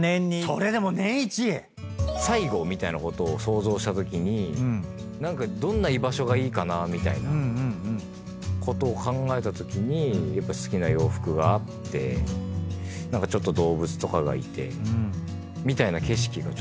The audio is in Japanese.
それでも年１⁉最後みたいなことを想像したときにどんな居場所がいいかなみたいなことを考えたときにやっぱ好きな洋服があってちょっと動物とかがいてみたいな景色がちょっと。